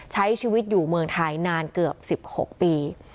ใช้ชีวิตอยู่เมืองไทยนานเกือบ๑๖ปี